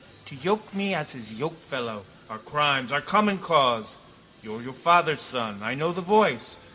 To yoke me as his yokefellow, our crimes our common cause. You're your father's son. I know the voice.